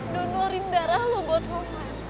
donorin darah lo buat roman